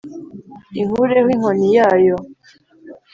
Inkureho inkoni yayo